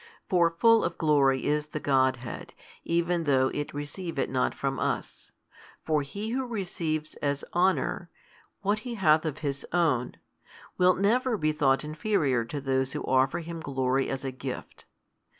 For full of glory is the Godhead, even though It receive it not from us. For He who receives as honour, what He hath of Own, will never bo thought inferior to those who offer Him glory as a gift.